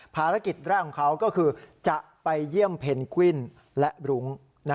ภารกิจแรกของเขาก็คือจะไปเยี่ยมเพนกวินและรุ้ง